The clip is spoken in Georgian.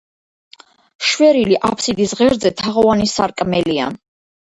შვერილი აფსიდის ღერძზე თაღოვანი სარკმელია.